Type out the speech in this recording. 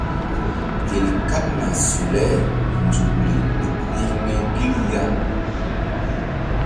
Gel kaɓna su le nzukri ɗuk hȩkme gi ri ya.